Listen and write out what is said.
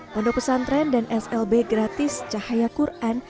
pondok pesantren dan slb gratis cahaya quran